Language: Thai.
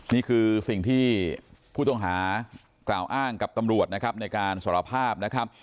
นี่คือสิ่งที่ผู้ต้องหากล่าวอ้างกับตำรวจนะครับในการสารภาพนะครับ